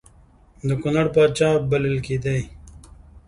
د کنړ پاچا بلل کېدی.